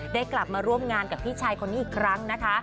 กลับมาร่วมงานกับพี่ชายคนนี้อีกครั้งนะคะ